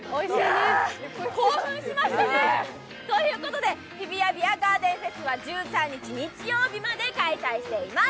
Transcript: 興奮しましたね。ということで、日比谷ビアガーデンフェスは１３日日曜日まで開催しています。